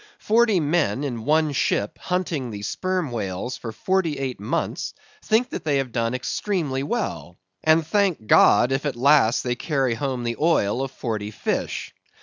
Forty men in one ship hunting the Sperm Whales for forty eight months think they have done extremely well, and thank God, if at last they carry home the oil of forty fish.